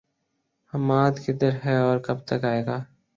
حماد، کدھر ہے اور کب تک آئے گا؟